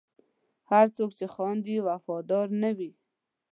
هر څوک چې خاندي، وفادار نه وي.